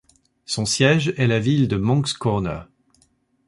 Son siège est la ville de Moncks Corner.